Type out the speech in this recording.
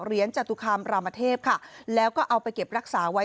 จตุคามรามเทพค่ะแล้วก็เอาไปเก็บรักษาไว้